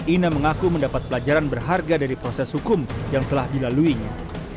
ina mengaku mendapat pelajaran berharga dari proses hukum yang telah dilaluinya